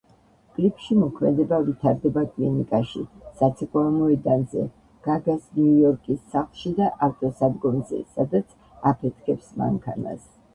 კლიპში მოქმედება ვითარდება კლინიკაში, საცეკვაო მოედანზე, გაგას ნიუ-იორკის სახლში და ავტოსადგომზე სადაც აფეთქებს მანქანას.